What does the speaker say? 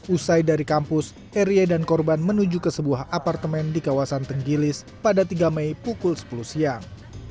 usai dari kampus erye dan korban menuju ke sebuah apartemen di kawasan tenggilis pada tiga mei pukul sepuluh siang